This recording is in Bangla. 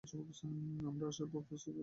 আমরা আসার পর প্রফেসরকে ক্লাস শুরু করতে বলো।